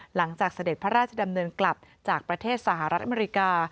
เสด็จพระราชดำเนินกลับจากประเทศสหรัฐอเมริกา